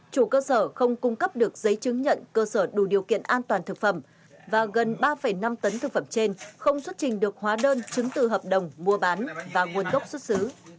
chủ cơ sở không cung cấp được giấy chứng nhận cơ sở đủ điều kiện an toàn thực phẩm và gần ba năm tấn thực phẩm trên không xuất trình được hóa đơn chứng từ hợp đồng mua bán và nguồn gốc xuất xứ